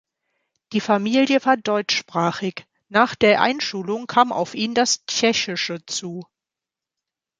Die Familie war deutschsprachig, nach der Einschulung kam auf ihn das Tschechische zu.